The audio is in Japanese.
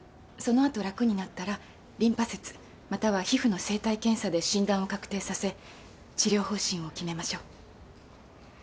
そのあと楽になったらリンパ節または皮膚の生体検査で診断を確定させ治療方針を決めましょう。